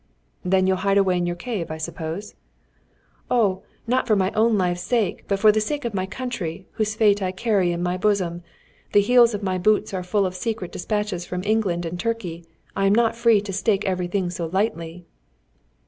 "Then you'll hide away in your cave, I suppose?" "Oh, not for my own life's sake, but for the sake of my country, whose fate I carry in my bosom. The heels of my boots are full of secret despatches from England and Turkey. I am not free to stake everything so lightly."